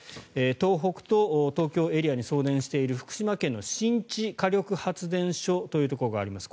東北と東京エリアに送電している福島の新地火力発電所というところがあります。